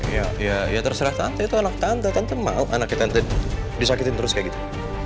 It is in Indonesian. ya ya ya terserah tante itu anak tante tante mau anaknya tante disakitin terus kayak gitu